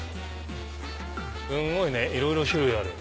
すごいねいろいろ種類ある。